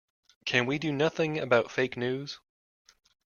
Can we do nothing about fake news?